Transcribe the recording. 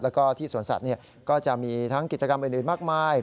แล้วก็ที่สวนสัตว์ก็จะมีทั้งกิจกรรมอื่นมากมาย